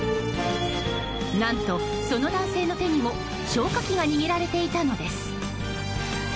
何と、その男性の手にも消火器が握られていたのです。